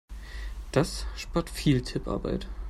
Das spart viel Tipparbeit.